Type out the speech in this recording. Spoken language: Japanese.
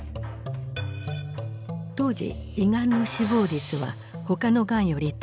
当時胃がんの死亡率は他のがんより高かった。